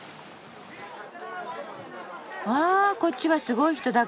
わこっちはすごい人だかり。